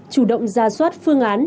chủ động ra soát phương án